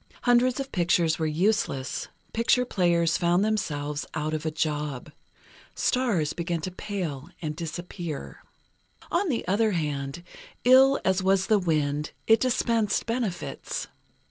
Hundreds of pictures were useless; picture players found themselves "out of a job." Stars began to pale and disappear. On the other hand, ill as was the wind, it dispensed benefits.